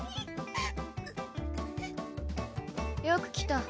よく来た。